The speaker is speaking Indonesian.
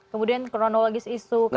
kemudian kronologis isu karantina